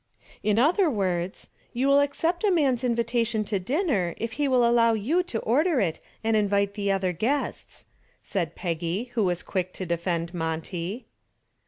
"In other words, you will accept a man's invitation to dinner if he will allow you to order it and invite the other guests," said Peggy, who was quick to defend Monty.